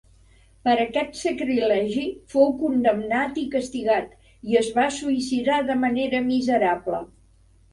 Per aquest sacrilegi fou condemnat i castigat i es va suïcidar de manera miserable.